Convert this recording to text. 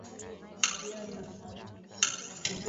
Kutembea bushiku apana